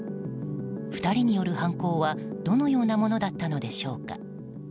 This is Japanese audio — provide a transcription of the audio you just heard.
２人による犯行はどのようなものだったのでしょうか。